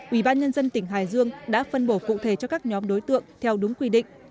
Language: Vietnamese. ủy ban nhân dân tỉnh hải dương đã phân bổ cụ thể cho các nhóm đối tượng theo đúng quy định